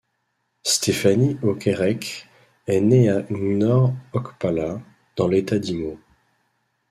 Stephanie Okereke est née à Ngor Okpala, dans l'État d'Imo.